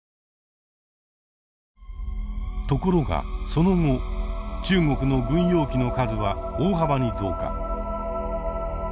ところがその後中国の軍用機の数は大幅に増加。